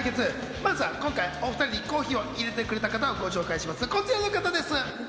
まずは今回、お２人にコーヒーをいれてくれた方をご紹介します、こちらの方です！